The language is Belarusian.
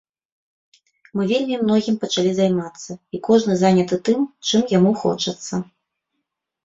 Мы вельмі многім пачалі займацца, і кожны заняты тым, чым яму хочацца.